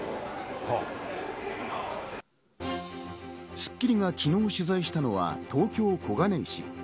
『スッキリ』が昨日取材したのは東京小金井市。